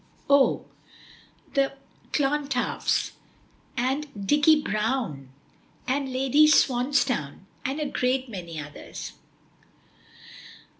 "Oh! the Clontarfs, and Dicky Browne, and Lady Swansdown and a great many others."